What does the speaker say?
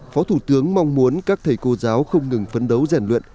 phó thủ tướng mong muốn các thầy cô giáo không ngừng phấn đấu rèn luyện